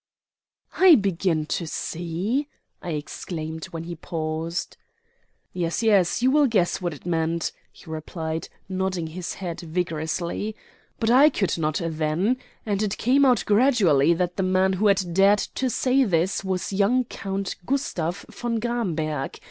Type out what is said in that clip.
"I begin to see," I exclaimed when he paused. "Yes, yes, you will guess what it meant," he replied, nodding his head vigorously. "But I could not then. And it came out gradually that the man who had dared to say this was young Count Gustav von Gramberg.